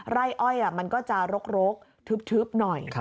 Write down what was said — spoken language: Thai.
ไร่อ้อยมันก็จะรกทึบหน่อย